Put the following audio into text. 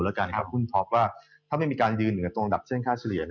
เพราะว่าถ้าไม่มีการยืนตรงดับเช่นค่าเฉลี่ย